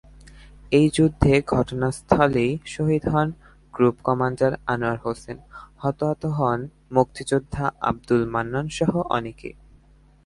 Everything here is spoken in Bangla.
এই যুদ্ধে ঘটনাস্থলেই শহীদ হন গ্রুপ কমান্ডার আনোয়ার হোসেন, হতাহত হন মুক্তিযোদ্ধা আব্দুল মান্নান সহ অনেকে।